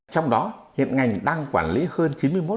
trong đó hiện ngành đang quản lý hơn